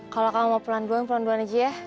kalau kamu mau pelan pelan pelan pelan aja ya